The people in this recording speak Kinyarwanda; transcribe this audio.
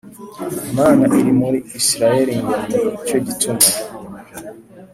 Mana iri muri Isirayeli Ngo ni cyo gituma